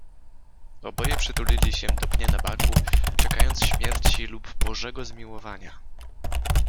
Oboje przytulili się do pnia nabaku, czekając śmierci lub Bożego zmiłowania.